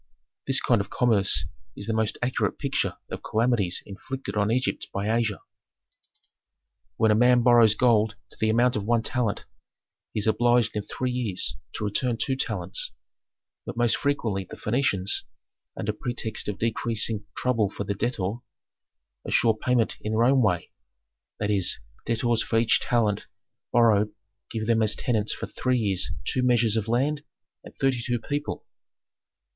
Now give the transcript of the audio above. "This kind of commerce is the most accurate picture of calamities inflicted on Egypt by Asia. "When a man borrows gold to the amount of one talent, he is obliged in three years to return two talents. But most frequently the Phœnicians, under pretext of decreasing trouble for the debtor, assure payment in their own way: that is, debtors for each talent borrowed give them as tenants for three years two measures of land and thirty two people.